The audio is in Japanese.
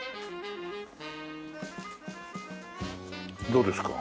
どうですか？